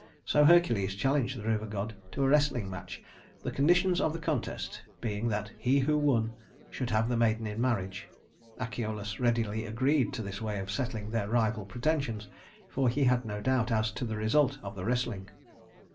So Hercules challenged the river god to a wrestling match, the conditions of the contest being that he who won should have the maiden in marriage. Achelous readily agreed to this way of settling their rival pretensions, for he had no doubt as to the result of the wrestling.